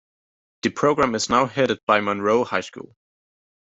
The program is now headed by Monroe High School.